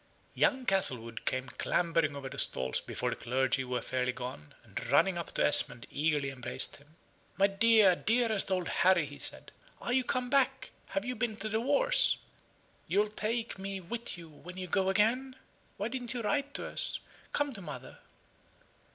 Young Castlewood came clambering over the stalls before the clergy were fairly gone, and running up to Esmond, eagerly embraced him. "My dear, dearest old Harry!" he said, "are you come back? Have you been to the wars? You'll take me with you when you go again? Why didn't you write to us? Come to mother."